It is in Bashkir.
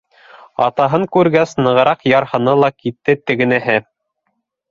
Атаһын күргәс, нығыраҡ ярһыны ла китте тегенеһе.